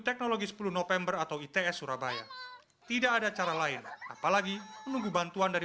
teknologi sepuluh november atau its surabaya tidak ada cara lain apalagi menunggu bantuan dari